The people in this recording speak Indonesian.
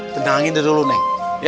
tenangin dulu neng